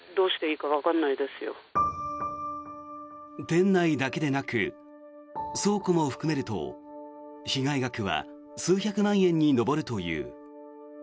店内だけでなく倉庫も含めると被害額は数百万円に上るという。